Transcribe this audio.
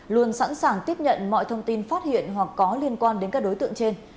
luôn sẵn sàng tiếp nhận mọi thông tin phát hiện hoặc có liên quan đến các đối tượng trên